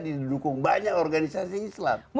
didukung banyak organisasi islam